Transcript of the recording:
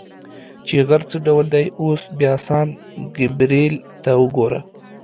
چې غر څه ډول دی، اوس بیا سان ګبرېل ته وګوره.